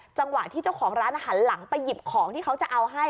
จังหวะที่เจ้าของร้านหันหลังไปหยิบของที่เขาจะเอาให้